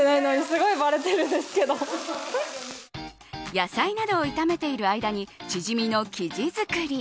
野菜などを炒めている間にチヂミの生地作り。